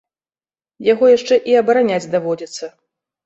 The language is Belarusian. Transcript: Яго яшчэ і абараняць даводзіцца.